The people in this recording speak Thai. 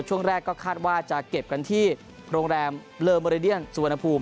ช่วงแรกก็คาดว่าจะเก็บกันที่โรงแรมเลอร์โมเรเดียนสุวรรณภูมิ